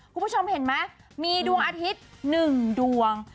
คุณผู้ชมเห็นไหมมีดวงอาทิตย์๑ดวง